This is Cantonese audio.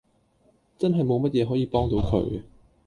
真係冇乜嘢可以幫到佢